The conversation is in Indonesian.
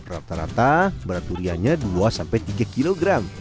rata rata berat duriannya dua sampai tiga kilogram